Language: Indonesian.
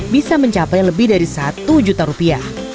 bisa mencapai lebih dari satu juta rupiah